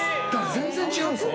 全然違うんですよ。